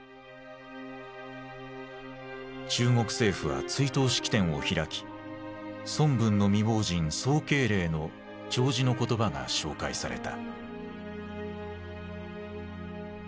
中国政府は追悼式典を開き孫文の未亡人・宋慶齢の弔辞の言葉が紹介された。